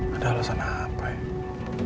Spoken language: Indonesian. ada alasan apa ya